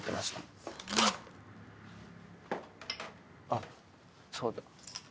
あっそうだ。